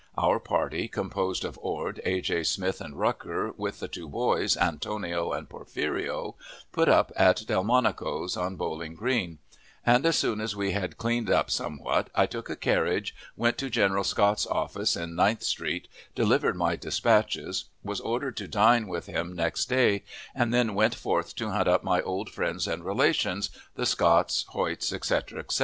Our party, composed of Ord, A. J. Smith, and Rucker, with the two boys, Antonio and Porfirio, put up at Delmonico's, on Bowling Green; and, as soon as we had cleaned up somewhat, I took a carriage, went to General Scott's office in Ninth Street, delivered my dispatches, was ordered to dine with him next day, and then went forth to hunt up my old friends and relations, the Scotts, Hoyts, etc., etc.